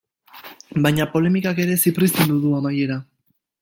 Baina polemikak ere zipriztindu du amaiera.